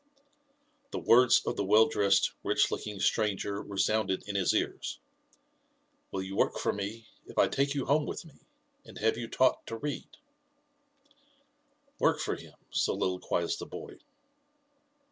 The words of the well dressed, rich looking stranger resounded in his cars —Will you work for me, if I take you home with me, and have you taught to read V Work for him?" soliloquised the boy.